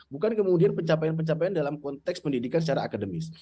bukan kemudian pencapaian pencapaian dalam konteks pendidikan secara akademis